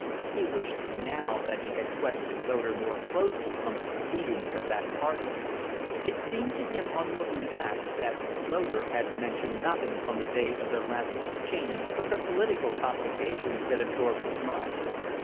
He wished now that he had questioned Loder more closely on the proceedings of that party. It seemed to him, on looking back, that Loder had mentioned nothing on the day of their last exchange but the political complications that absorbed his mind.